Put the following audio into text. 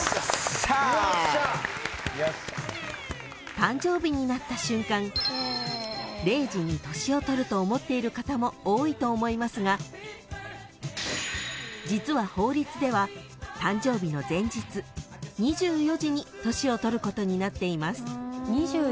［誕生日になった瞬間０時に年を取ると思っている方も多いと思いますが実は法律では誕生日の前日２４時に年を取ることになっています］